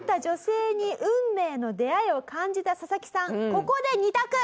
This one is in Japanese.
ここで２択。